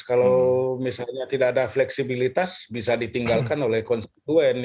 kalau misalnya tidak ada fleksibilitas bisa ditinggalkan oleh konstituen